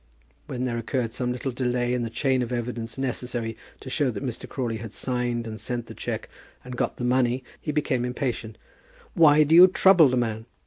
When there occurred some little delay in the chain of evidence necessary to show that Mr. Crawley had signed and sent the cheque and got the money, he became impatient. "Why do you trouble the man?"